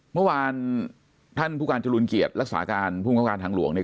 เมื่อวานท่านผู้การจรูลเกียรติรักษาการภูมิกับการทางหลวงเนี่ย